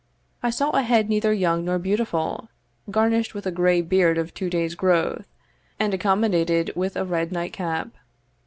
I saw a head neither young nor beautiful, garnished with a grey beard of two days' growth, and accommodated with a red nightcap.